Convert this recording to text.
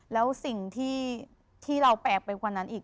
แล้วสิ่งที่เราแปลกไปกว่านั้นอีก